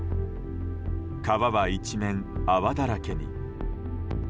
川は一面、泡だらけに。